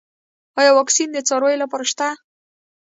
آیا واکسین د څارویو لپاره شته؟